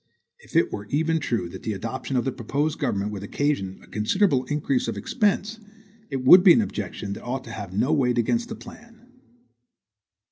If it were even true, that the adoption of the proposed government would occasion a considerable increase of expense, it would be an objection that ought to have no weight against the plan.